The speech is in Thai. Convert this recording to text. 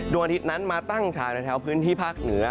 ดวงอาทิตย์นั้นมาตั้งฉากในแถวพื้นที่ภาคเหนือ